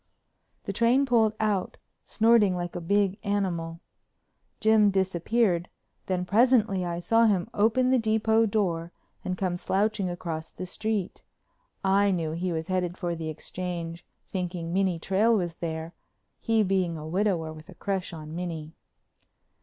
The train pulled out, snorting like a big animal. Jim disappeared, then presently I saw him open the depot door and come slouching across the street. I knew he was headed for the Exchange, thinking Minnie Trail was there, he being a widower with a crush on Minnie.